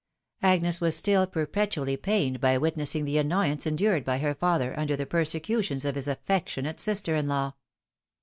Agnes was still perpetually pained by witnessing the annoyance endured by her father under the persecutions of his affectionate sister in law.